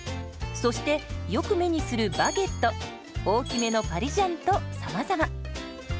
そしてよく目にするバゲット大きめのパリジャンとさまざま。